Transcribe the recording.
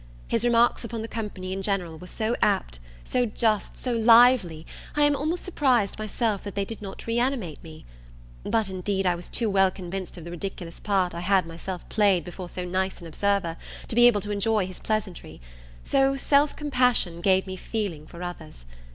His remarks upon the company in general were so apt, so just, so lively, I am almost surprised myself that they did not reanimate me; but, indeed, I was too well convinced of the ridiculous part I had myself played before so nice an observer, to be able to enjoy his pleasantry: so self compassion gave me feeling for others.